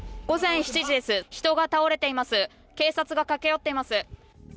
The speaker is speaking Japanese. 午前７時です、人が倒れています、警察が駆け寄っています。